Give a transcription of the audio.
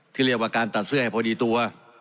ที่เรียกว่าการตัดเสื้อให้พอดีตัว